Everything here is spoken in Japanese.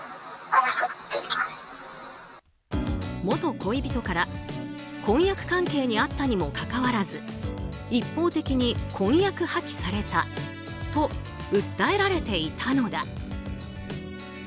元恋人から婚約関係にあったにもかかわらず一方的に婚約破棄されたと訴えられていたのだ。